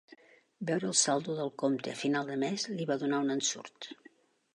Veure el saldo del compte a final de mes li va donar un ensurt.